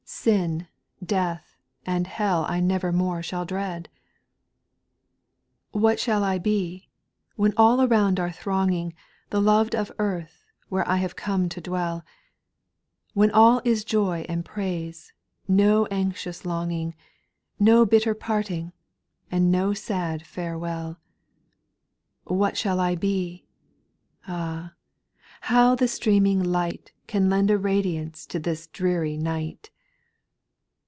Sin, death, and hell I never more shall dread ? 4. What shall I be ? when all around are throng The loved of earth, where I have come to dwell ; When all is joy and praise — ^no anxious long ing, No bitter parting, and no sad farewell. What shall I be ? Ah, how the streaming light Can lend a radiance to this dreary night